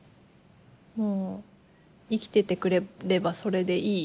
もう生きててくれればそれでいい。